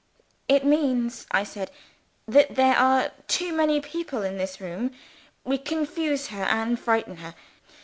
"It means," I said, "that there are too many people in this room. We confuse her, and frighten her.